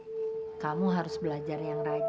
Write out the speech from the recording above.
ibu kamu harus belajar yang rajin ya umumnya